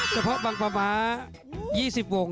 เฉพาะบังประมะยี่สิบวง